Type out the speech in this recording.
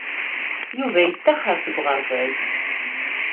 Yuba yeṭṭaxer seg uɣerbaz.